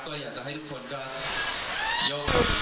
ก็อยากจะให้ทุกคนก็โยก